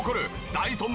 ダイソン